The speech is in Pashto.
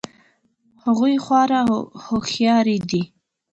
هغوی خورا هوښیار دي